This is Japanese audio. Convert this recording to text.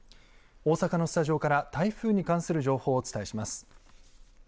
大阪のスタジオから台風に関する情報をお伝えします。